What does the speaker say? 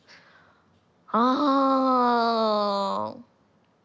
ああ。